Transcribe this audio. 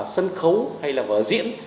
sân khấu hay là vở diễn